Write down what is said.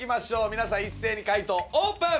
皆さん一斉に解答オープン。